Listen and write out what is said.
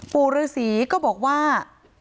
ปู่ฤษีก็บอกว่า